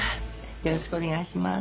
よろしくお願いします。